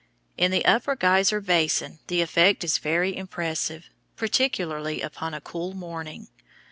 In the Upper Geyser Basin the effect is very impressive, particularly upon a cool morning.